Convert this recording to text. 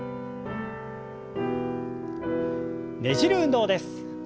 ねじる運動です。